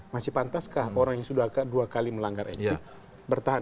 masih pantaskah orang yang sudah dua kali melanggar etik bertahan